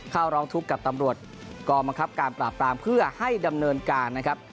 เข้าร้องทุกข์กับตำรวจกองบังคับการปราบปรามเพื่อให้ดำเนินการนะครับ